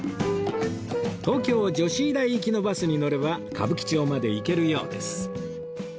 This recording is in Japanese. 東京女子医大行きのバスに乗れば歌舞伎町まで行けるようです